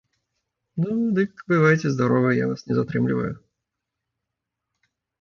Ну, дык бывайце здаровы, я вас не затрымліваю.